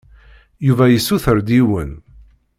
Yuba yessuter-d yiwen.